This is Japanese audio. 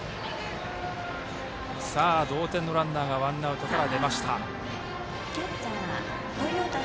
同点のランナーがワンアウトから出ました。